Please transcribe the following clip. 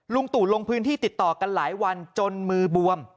ตู่ลงพื้นที่ติดต่อกันหลายวันจนมือบวม